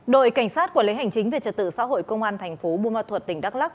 đội cảnh sát quản lý hành chính về trật tự xã hội công an tp buôn ma thuật tỉnh đắk lắc